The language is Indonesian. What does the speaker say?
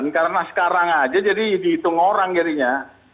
karena sekarang aja jadi dihitung orang jadinya